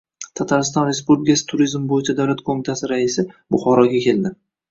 Tatariston Respublikasi Turizm bo‘yicha davlat qo‘mitasi raisi Buxoroga keldi